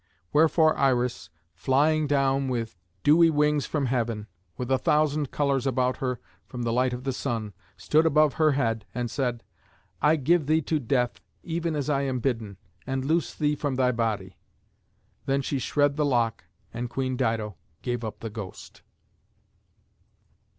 Wherefore Iris, flying down with dewy wings from heaven, with a thousand colours about her from the light of the sun, stood above her head and said, "I give thee to death, even as I am bidden, and loose thee from thy body." Then she shred the lock, and Queen Dido gave up the ghost.